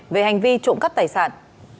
về hành vi trộm cắp tài sản